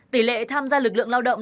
tỉ lệ tham gia lực lượng lao động